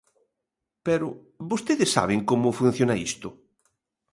Pero ¿vostedes saben como funciona isto?